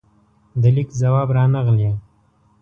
د لیک ځواب رانغلې